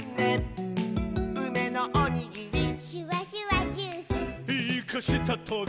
「うめのおにぎり」「シュワシュワジュース」「イカしたトゲ」